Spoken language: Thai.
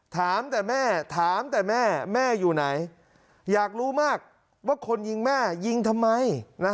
ถามแต่แม่ถามแต่แม่แม่อยู่ไหนอยากรู้มากว่าคนยิงแม่ยิงทำไม